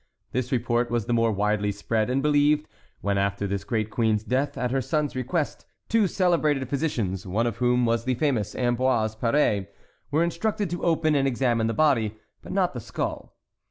This report was the more widely spread and believed when, after this great queen's death, at her son's request, two celebrated physicians, one of whom was the famous Ambroise Paré, were instructed to open and examine the body, but not the skull.